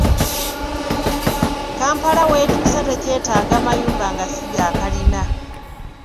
Kampala w’etuuse tekyetaaga mayumba nga si ga kalina.